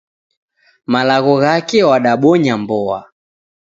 Malagho ghake wadabonya mboa.